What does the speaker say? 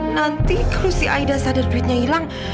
nanti kalau si aida sadar duitnya hilang